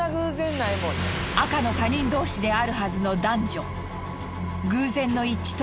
赤の他人同士であるはずの男女。